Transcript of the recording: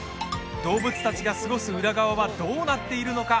動物たちが過ごす裏側はどうなっているのか？